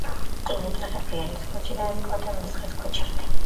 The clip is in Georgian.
დიმიტრი ყიფიანის ქუჩიდან კოტე მესხის ქუჩამდე.